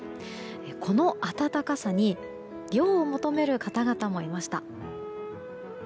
この暖かさに涼を求める方々もいました。